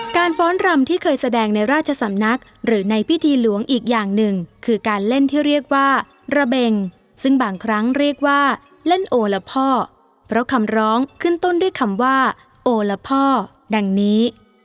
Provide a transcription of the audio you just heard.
ฟ้อนรำที่เคยแสดงในราชสำนักหรือในพิธีหลวงอีกอย่างหนึ่งคือการเล่นที่เรียกว่าระเบงซึ่งบางครั้งเรียกว่าเล่นโอละพ่อเพราะคำร้องขึ้นต้นด้วยคำว่าโอละพ่อดังนี้